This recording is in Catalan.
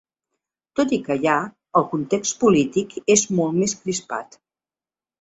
Tot i que allà el context polític és molt més crispat.